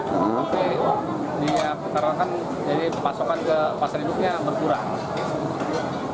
tapi diperlukan jadi pasokan ke pasar hidupnya berkurang